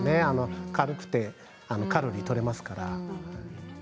軽くてカロリーがとれますからね。